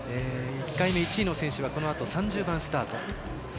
１回目、１位の選手はこのあと、３０番スタート。